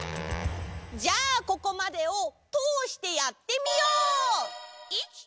じゃあここまでをとおしてやってみよう！